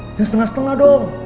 jangan setengah setengah dong